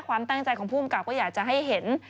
ความตั้งใจของภูมิกับก็อยากจะให้เห็น